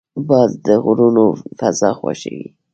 باز د غرونو فضا خوښوي